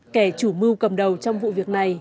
kẻ chủ mưu cầm đầu trong vụ việc này